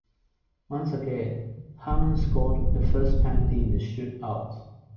Once again, Hamann scored the first penalty in the shoot-out.